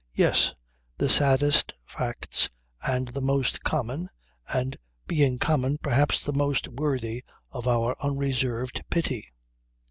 Yes, the saddest facts and the most common, and, being common perhaps the most worthy of our unreserved pity.